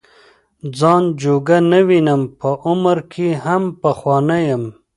ځان جوګه نه وینم په عمر کې هم پخوانی یم.